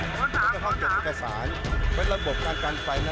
มันจะเข้าเก็บอักษรเป็นระบบการการไฟนะ